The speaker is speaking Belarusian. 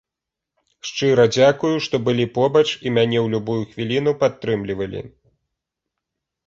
Шчыра дзякую, што былі побач і мяне ў любую хвіліну падтрымлівалі!